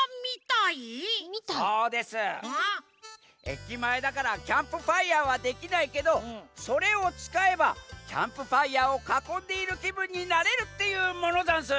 駅前だからキャンプファイヤーはできないけどそれをつかえばキャンプファイヤーをかこんでいるきぶんになれるっていうものざんす！